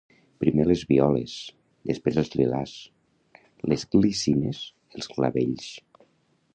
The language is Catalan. Primer les violes, després els lilàs, les glicines, els clavells.